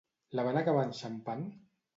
La van acabar enxampant?